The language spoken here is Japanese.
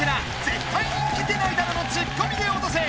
絶対人気出ないだろ」のツッコミでオトせ！